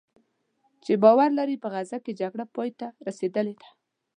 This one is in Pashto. چې باور لري "په غزه کې جګړه پایته رسېدلې ده"